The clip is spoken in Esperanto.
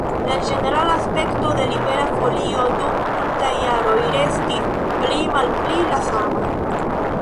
La ĝenerala aspekto de Libera Folio dum multaj jaroj restis pli-malpli la sama.